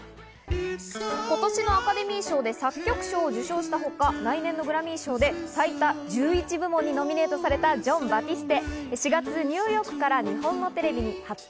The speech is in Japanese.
今年のアカデミー賞で作曲賞を受賞したほか、来年のグラミー賞で最多１１部門にノミネートされたジョン・バティステ。